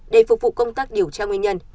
để phục vụ công tác điều tra nguyên nhân